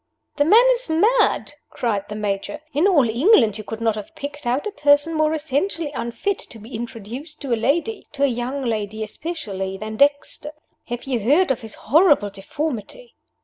"The man is mad!" cried the Major. "In all England you could not have picked out a person more essentially unfit to be introduced to a lady to a young lady especially than Dexter. Have you heard of his horrible deformity?"